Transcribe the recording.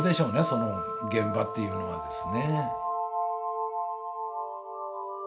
その現場っていうのはですね。